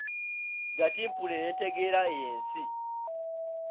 Gatimpule n’entegeera y’ensi: